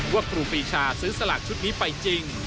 ครูปีชาซื้อสลากชุดนี้ไปจริง